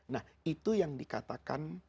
nah itu yang dikatakan